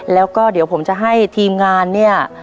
แล้วก็เดี๋ยวผมจะให้ทีมงานเนี่ย